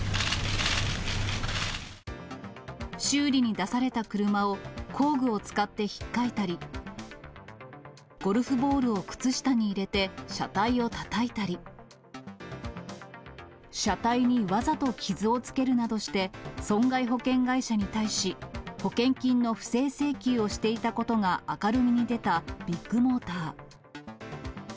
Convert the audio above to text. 修理に出された車を工具を使ってひっかいたり、ゴルフボールを靴下に入れて車体をたたいたり、車体にわざと傷をつけるなどして、損害保険会社に対し、保険金の不正請求をしていたことが明るみに出たビッグモーター。